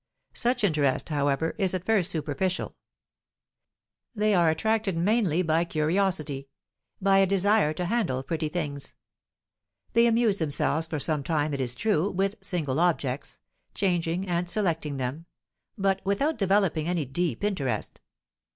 Such interest, however, is at first superficial. They are attracted mainly by curiosity, by a desire to handle "pretty things." They amuse themselves for some time, it is true, with single objects, changing and selecting them, but without developing any deep interest.